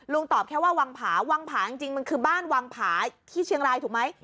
ตอบแค่ว่าวังผาวังผาจริงมันคือบ้านวังผาที่เชียงรายถูกไหม